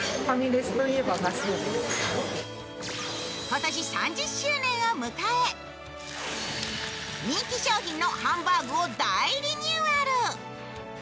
今年３０周年を迎え人気商品のハンバーグを大リニューアル。